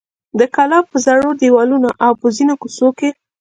د کلا پر زړو دیوالونو او په ځینو کوڅو کې.